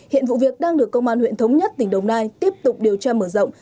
hiện vụ việc đang được công an huyện thống nhất tỉnh đồng nai tiếp tục điều tra mở rộng